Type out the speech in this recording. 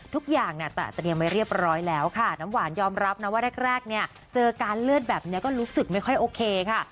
ทุกอย่างเนี่ยเตรียมไว้เรียบร้อยแล้วค่ะน้ำหวานยอมรับนะว่าแรกเนี่ยเจอการเลือดแบบนี้ก็รู้สึกไม่ค่อยโอเคค่ะ